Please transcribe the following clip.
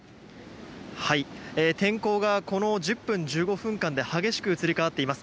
天候がこの１０分、１５分間で激しく移り変わっています。